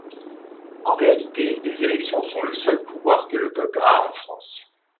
En réalité, les élections sont le seul pouvoir que le peuple a en France.